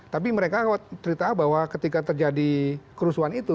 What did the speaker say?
tapi mereka ketika terjadi kerusuhan itu